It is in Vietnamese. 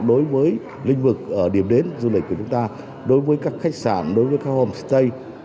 đối với lĩnh vực ở điểm đến du lịch của chúng ta đối với các khách sạn đối với các homestay